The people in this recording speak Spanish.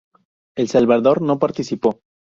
El Salvador no participó.